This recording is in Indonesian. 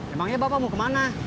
emangnya bapak mau kemana